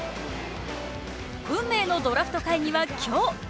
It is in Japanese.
運命のドラフト会議は今日。